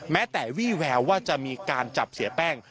แม้แต่วี่แววว่าจะมีการจับเสียแป้ง